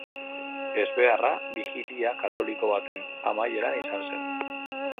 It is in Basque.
Ezbeharra bijilia katoliko baten amaieran izan zen.